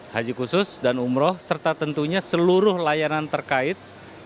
haji khusus dan umroh serta tentunya seluruh layanan terkait